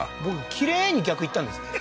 きれいに逆言ったんですね